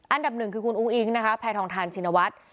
อันดับ๑คือคุณอู๋อิงเไปทองทานชินวัส